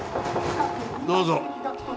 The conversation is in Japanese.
どうぞ。